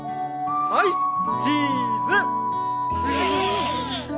はいチーズ。